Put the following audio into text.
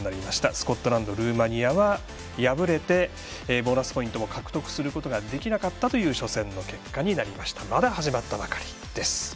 スコットランド、ルーマニアは敗れてボーナスポイントを獲得することができなかった初戦の結果になりましたがまだ始まったばかりです。